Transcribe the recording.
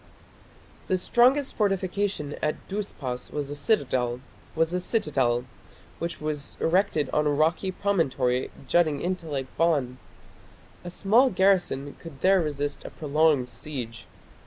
The strongest fortification at Dhuspas was the citadel, which was erected on a rocky promontory jutting into Lake Van. A small garrison could there resist a prolonged siege.